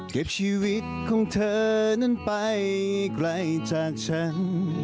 เก็บชีวิตของเธอนั้นไปไกลจากฉัน